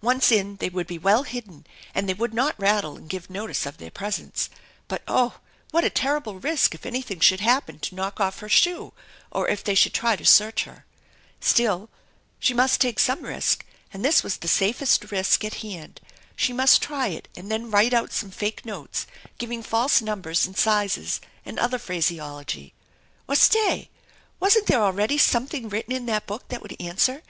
Once in they would be well hidden, and they would not rattle and give notice of their presence; but oh, what a terrible risk if anything should happen to knock off her shoe, or if they should try to search her ! Still she must take some risk and this was the safest risk at hand. She must try it and then write out some fake notes, giving false numbers and sizes, and other phraseology. Or stay* Wasn't there already something written in that book that would answer?